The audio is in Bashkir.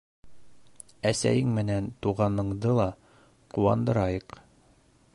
Эсәйең менән туғаныңды ла ҡыуандырайыҡ.